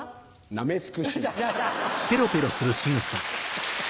なめ尽くします。